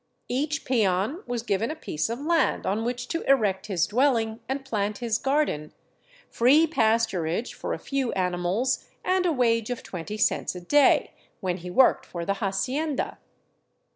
Each peon was given a piece of land on which to erect his dwelling and plant his garden, free pasturage for a few animals, and a wage of 20 cents a day, when he worked for the hacienda.